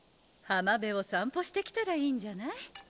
浜辺を散歩してきたらいいんじゃない？